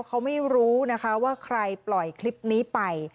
เขาไม่รู้นะคะว่าใครปล่อยคลิปนี้ไป